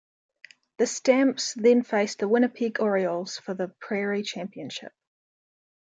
The Stamps then faced the Winnipeg Orioles for the Prairie championship.